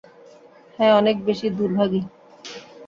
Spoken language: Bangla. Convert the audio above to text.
হ্যাঁ, অনেক বেশি দুর্ভাগী।